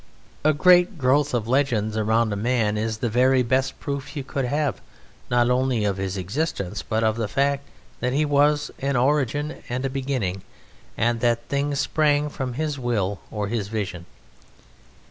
A great growth of legends around a man is the very best proof you could have not only of his existence but of the fact that he was an origin and a beginning, and that things sprang from his will or his vision.